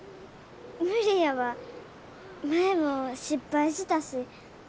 無理やわ前も失敗したし。